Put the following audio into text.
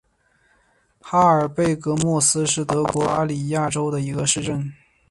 哈尔贝格莫斯是德国巴伐利亚州的一个市镇。